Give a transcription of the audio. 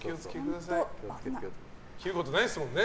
切ることないですもんね。